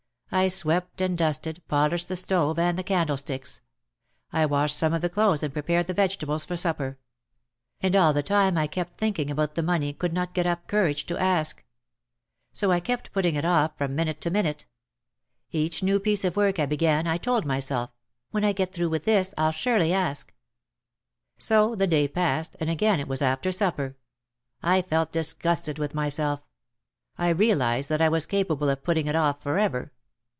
I swept and dusted, polished the stove and the candlesticks. I washed some of the clothes and prepared the vegetables for supper. And all the time I kept thinking about the money and could not get up courage to ask. So I kept putting it off from minute to minute. Each new piece of work I began I told myself: "When I get through with this, I'll surely ask." So the day passed and again it was after supper. I felt disgusted with myself. I realised that I was ca pable of putting it off forever.